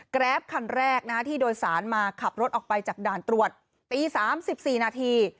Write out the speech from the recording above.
แกรปคันแรกที่โดยสารมาขับรถออกไปจากด่านตรวจตี๓๔นาที